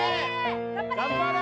頑張れ！